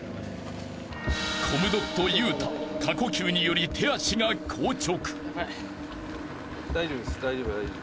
［コムドットゆうた過呼吸により手足が硬直］